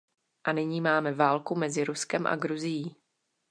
A nyní máme válku mezi Ruskem a Gruzií.